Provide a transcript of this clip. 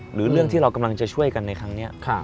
หรือเรื่องที่เรากำลังจะช่วยกันในครั้งนี้